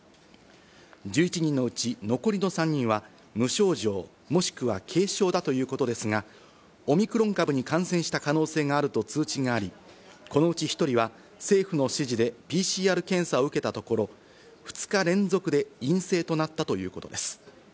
１１人のうち残りの３人は無症状もしくは軽症だということですが、オミクロン株に感染した可能性があると通知があり、このうち１人は政府の指示でＰＣＲ検査を受けたところ２日連続で陰性となったということです。